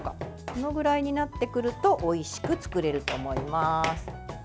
このぐらいになってくるとおいしく作れると思います。